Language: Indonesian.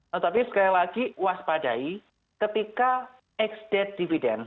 tetapi sekali lagi waspadai ketika ex debt dividen